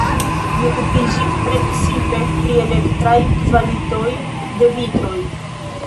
Li okupiĝis precipe pri elektraj kvalitoj de vitroj.